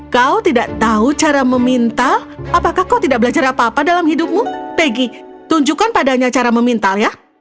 kau tidak tahu cara meminta apakah kau tidak belajar apa apa dalam hidupmu peggy tunjukkan padanya cara memintal ya